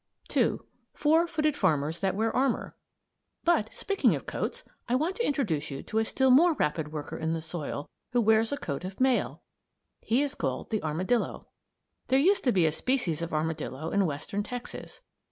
II. FOUR FOOTED FARMERS THAT WEAR ARMOR But, speaking of coats, I want to introduce you to a still more rapid worker in the soil, who wears a coat of mail. He is called the armadillo. There used to be a species of armadillo in western Texas.